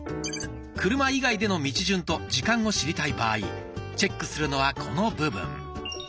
車以外での道順と時間を知りたい場合チェックするのはこの部分。